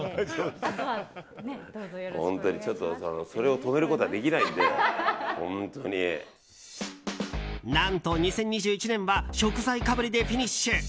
それを止めることは何と２０２１年は食材かぶりでフィニッシュ。